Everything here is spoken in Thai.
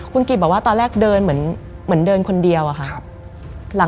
คุณกิจบอกว่าตอนแรกเดินเหมือนเดินคนเดียวอะค่ะ